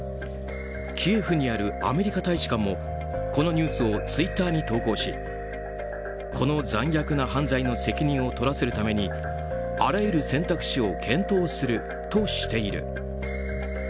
キエフにあるアメリカ大使館もこのニュースをツイッターに投稿しこの残虐な犯罪の責任を取らせるためにあらゆる選択肢を検討するとしている。